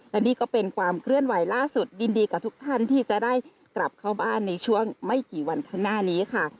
และนี่ก็เป็นความเคลื่อนไหวล่าสุดยินดีกับทุกท่านที่จะได้กลับเข้าบ้านในช่วงไม่กี่วันข้างหน้านี้ค่ะ